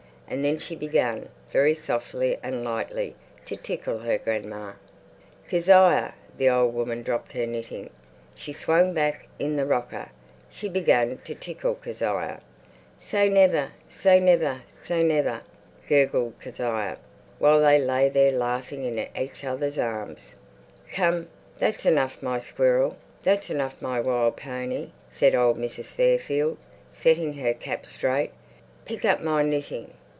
And then she began, very softly and lightly, to tickle her grandma. "Kezia!" The old woman dropped her knitting. She swung back in the rocker. She began to tickle Kezia. "Say never, say never, say never," gurgled Kezia, while they lay there laughing in each other's arms. "Come, that's enough, my squirrel! That's enough, my wild pony!" said old Mrs. Fairfield, setting her cap straight. "Pick up my knitting."